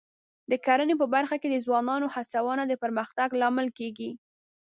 د کرنې په برخه کې د ځوانانو هڅونه د پرمختګ لامل کېږي.